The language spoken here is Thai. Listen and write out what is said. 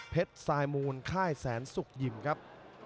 สายมูลค่ายแสนสุกยิมครับ